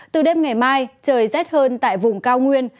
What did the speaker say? từ đêm ngày mai trời rét hơn tại vùng cao nguyên